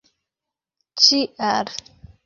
ĉial